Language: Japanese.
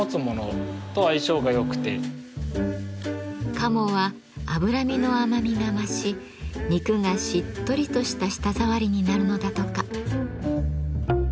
鴨は脂身の甘みが増し肉がしっとりとした舌触りになるのだとか。